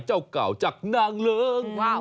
เจ้าเก่าจากนางเลิ้ง